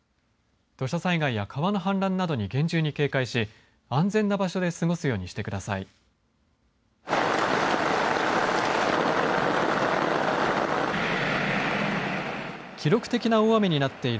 土砂災害や川の氾濫などに厳重に警戒し安全な場所で過ごすようにしてください。